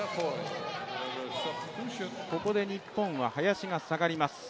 ここで日本は林が下がります。